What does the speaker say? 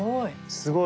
すごい。